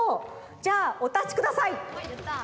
じゃあおたちください！